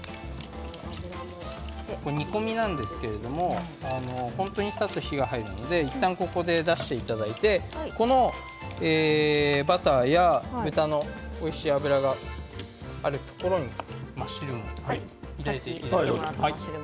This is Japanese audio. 煮込みなんですけれども本当にさっと火が入るのでいったん出していただいてこのバターや豚のおいしい脂があるところにマッシュルームを入れていきます。